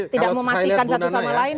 tidak mematikan satu sama lain